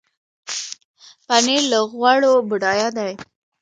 پنېر له غوړو بډایه دی.